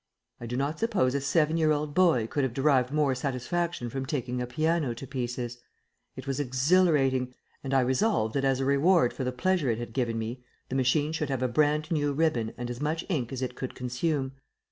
I do not suppose a seven year old boy could have derived more satisfaction from taking a piano to pieces. It was exhilarating, and I resolved that as a reward for the pleasure it had given me the machine should have a brand new ribbon and as much ink as it could consume.